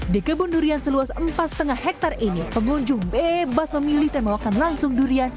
di kebun durian seluas empat lima hektare ini pengunjung bebas memilih dan memakan langsung durian